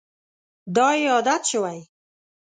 دا یې عادت شوی.